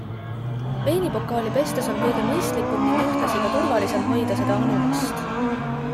Veinipokaali pestes on kõige mõistlikum ning ühtlasi ka turvalisem hoida seda anumast.